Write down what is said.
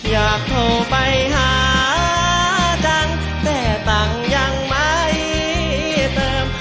อยากโทรไปหาจังแต่ตังค์ยังไม่เติม